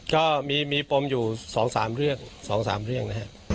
ก็มีปมอยู่๒๓เรื่องครับ